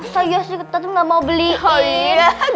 sayang sih kita tuh gak mau beliin